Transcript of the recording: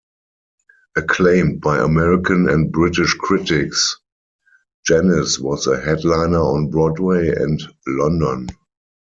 Acclaimed by American and British critics, Janis was a headliner on Broadway and London.